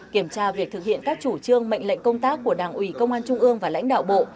kiểm tra việc thực hiện các chủ trương mệnh lệnh công tác của đảng ủy công an trung ương và lãnh đạo bộ